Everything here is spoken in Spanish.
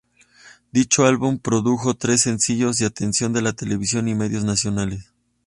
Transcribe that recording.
Dicho álbum produjo tres sencillos y atención de la televisión y medios nacionales.